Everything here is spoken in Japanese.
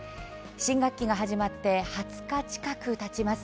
新学期が始まって２０日が近くたちます。